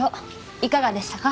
いかがでしたか？